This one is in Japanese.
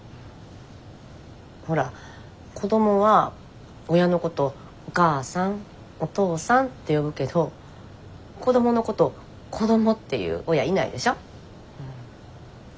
ほら子どもは親のこと「お母さん」「お父さん」って呼ぶけど子どものこと「子ども」って言う親いないでしょ？